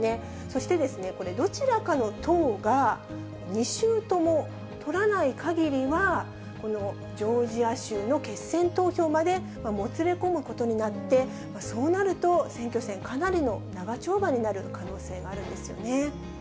そしてこれ、どちらかの党が２州とも取らないかぎりは、このジョージア州の決選投票までもつれ込むことになって、そうなると選挙戦、かなりの長丁場になる可能性があるんですよね。